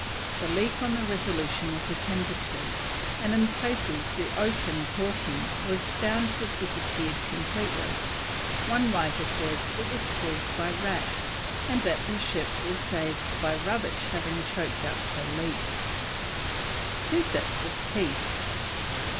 The leak on the Resolution was attended to, and in places the oakum caulking was found to have disappeared completely; one writer says it was caused by rats, and that the ship was saved by rubbish having choked up the leak. TWO SETS OF TEETH.